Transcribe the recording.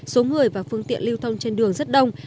số người và phương tiện lưu thông trên đường rất đông